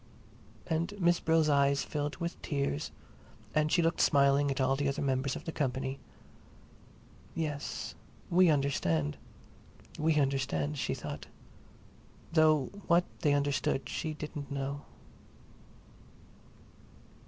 And Miss Brill's eyes filled with tears and she looked smiling at all the other members of the company. Yes, we understand, we understand, she thought—though what they understood she didn't know.